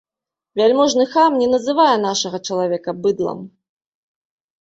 Вяльможны хам не называе нашага чалавека быдлам.